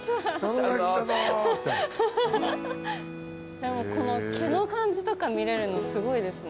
でもこの毛の感じとか見れるのすごいですね。